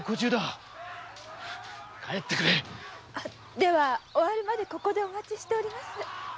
では終るまでここでお待ちしております。